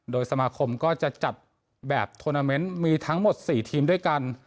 โดยสมาคมก็จะจัดแบบทวนาเมนต์มีทั้งหมด๔ทีมด้วยกัน